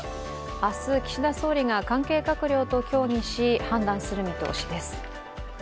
明日、岸田総理が関係閣僚と協議し、判断する見通しです。